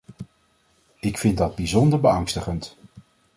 Ik vind dat bijzonder beangstigend.